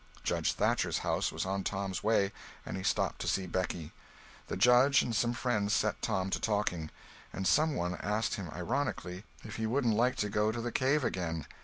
Judge Thatcher's house was on Tom's way, and he stopped to see Becky. The Judge and some friends set Tom to talking, and some one asked him ironically if he wouldn't like to go to the cave again.